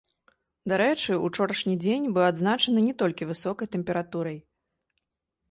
Дарэчы, ўчорашні дзень быў адзначаны не толькі высокай тэмпературай.